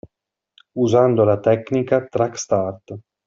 Usando la tecnica “track start”.